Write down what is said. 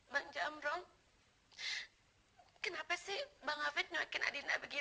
bang jamrong kenapa sih bang hafidh ngekin adinda begitu